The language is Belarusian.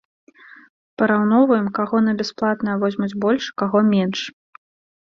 Параўноўваем, каго на бясплатнае возьмуць больш, каго менш.